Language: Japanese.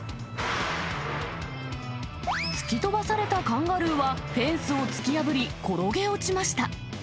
突き飛ばされたカンガルーは、フェンスを突き破り、転げ落ちました。